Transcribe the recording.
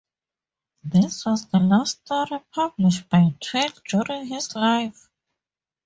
This was the last story published by Twain during his life.